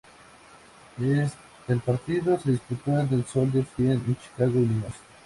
El partido se disputó en el Soldier Field en Chicago, Illinois.